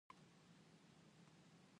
Tom meminjam sedikit uang dari Mary.